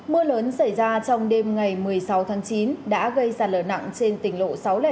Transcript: mưa lớn xảy ra trong đêm ngày một mươi sáu tháng chín đã gây ra lở nặng trên tỉnh lộ sáu trăm linh bốn